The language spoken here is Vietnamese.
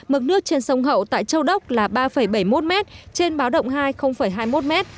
mực nước trên sông hậu tại châu đốc là ba bảy mươi một m trên báo động hai hai mươi một m